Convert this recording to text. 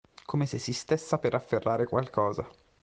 Come se si stessa per afferrare qualcosa.